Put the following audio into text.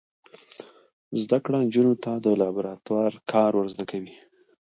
زده کړه نجونو ته د لابراتوار کارول ور زده کوي.